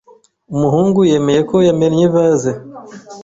Umuhungu yemeye ko yamennye vase.